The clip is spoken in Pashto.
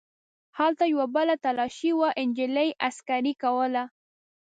هلته یوه بله تلاشي وه چې نجلۍ عسکرې کوله.